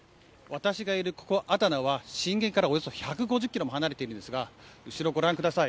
私がいる、ここ、アダナは震源からおよそ１５０キロも離れているんですが、後ろ、ご覧ください。